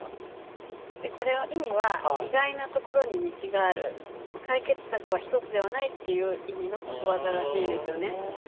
これは意味は意外なところに道がある解決策は一つではないっていう意味のことわざらしいんですよね。